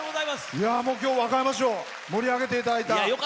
きょう和歌山市を盛り上げていただいた。